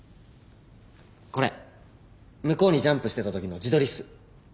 これ向こうにジャンプしてた時の自撮りっす。